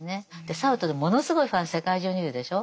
サルトルものすごいファン世界中にいるでしょう。